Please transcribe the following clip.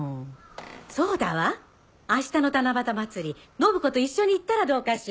そうだわ明日の七夕祭り信子と一緒に行ったらどうかしら？